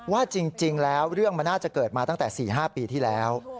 ว่าจริงแล้วเรื่องมันน่าจะเกิดมาตั้งแต่๔๕ปีที่แล้ว